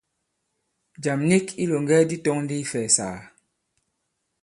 Jàm nik i ilòŋgɛ di tɔ̄ŋ ndi ifɛ̀ɛ̀sàgà.